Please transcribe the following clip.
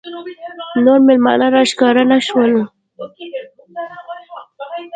نور مېلمانه راښکاره نه شول.